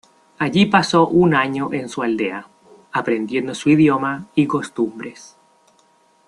Allí pasó un año en su aldea, aprendiendo su idioma y costumbres.